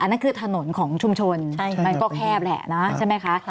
นั่นคือถนนของชุมชนมันก็แคบแหละนะใช่ไหมคะ